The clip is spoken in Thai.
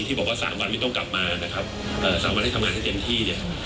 บอกว่าสามวันไม่ต้องกลับมานะครับสามวันให้ทำงานให้เต็มที่เนี่ย